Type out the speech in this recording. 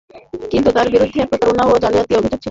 কিন্তু তার বিরুদ্ধে প্রতারণা ও জালিয়াতির অভিযোগ ছিল।